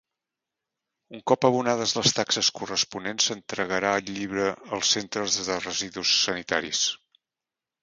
Un cop abonades les taxes corresponents s'entregarà el llibre als centres de residus sanitaris.